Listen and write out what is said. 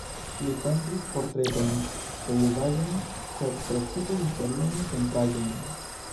Li pentris portretojn, pejzaĝojn, sed precipe historiajn pentraĵojn.